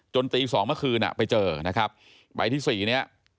จนตี๒เมื่อคืนไปเจอนะครับใบที่๔เนี่ย